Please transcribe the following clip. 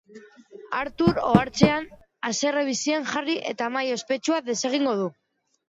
Artur ohartzean, haserre bizian jarri eta mahai ospetsua desegingo du.